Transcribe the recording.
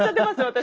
私。